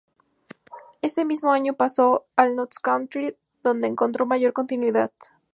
Ese mismo año pasó al Notts County, donde encontró mayor continuidad.